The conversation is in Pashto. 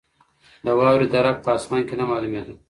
د واورې درک په اسمان کې نه معلومېده.